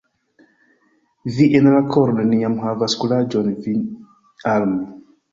Vi en la koro neniam havas kuraĝon vin armi.